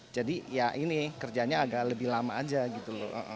jadi ya ini kerjanya agak lebih lama aja gitu loh